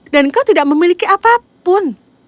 dan kau tidak memiliki apapun